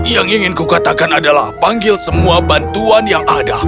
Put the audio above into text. yang ingin kukatakan adalah panggil semua bantuan yang ada